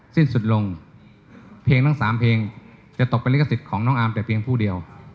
สิ้นสุดลงเพลงทั้งสามเพลงจะตกเป็นลิขสิทธิ์ของน้องอาร์มแต่เพียงผู้เดียว